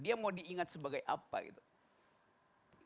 dia mau diingat sebagai apa gitu